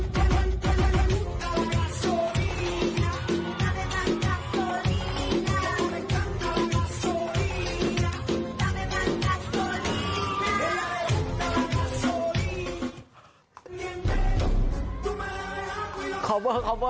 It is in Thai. ตื่นตื่นแม่